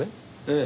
ええ。